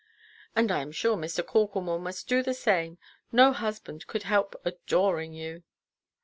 "And I am sure Mr. Corklemore must do the same. No husband could help adoring you."